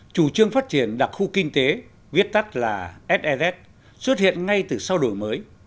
chủ trương phát triển đặc khu kinh tế viết tắt là ss xuất hiện ngay từ sau đổi mới